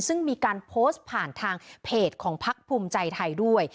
ซึ่งมีการโพสต์ผ่านทางเพจของพักภูมิใจไทยด้วย